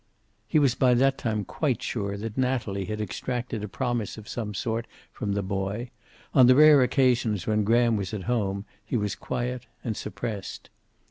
He was by that time quite sure that Natalie had extracted a promise of some sort from the boy. On the rare occasions when Graham was at home he was quiet and suppressed.